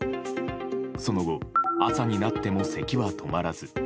その後、朝になってもせきは止まらず。